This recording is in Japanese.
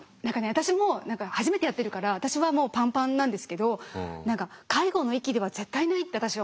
私も初めてやってるから私はもうパンパンなんですけど何か介護の域では絶対ないって私は思ってるんですよ。